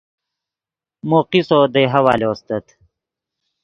مو قصو دے کوئے حوالو استت